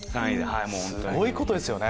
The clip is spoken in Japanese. すごいことですよね。